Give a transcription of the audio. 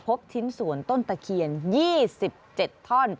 พบชิ้นส่วนต้นตะเคียน๒๗ท่อน